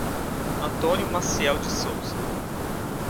Antônio Maciel de Souza